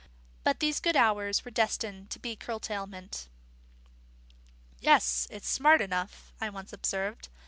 But these good hours were destined to curtailment. "Yes, it's smart enough," I once observed.